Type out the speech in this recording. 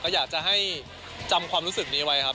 อยากจะให้จำความรู้สึกนี้ไว้ครับ